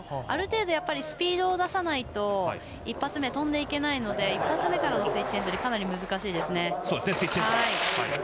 ある程度スピードを出さないと一発目とんでいけないので一発目からのスイッチエントリーかなり難しいですね。